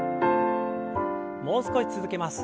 もう少し続けます。